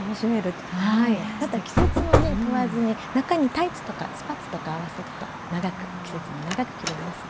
また季節もね問わずに中にタイツとかスパッツとか合わせると季節も長く着れます。